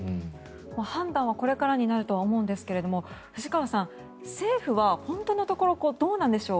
判断はこれからにはなると思うんですが藤川さん、政府は本当のところどうなんでしょう？